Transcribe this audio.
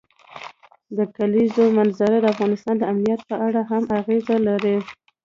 د کلیزو منظره د افغانستان د امنیت په اړه هم اغېز لري.